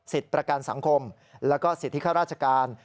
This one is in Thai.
สิทธิ์ประการสังคมแล้วก็สิทธิฆ่าราชการ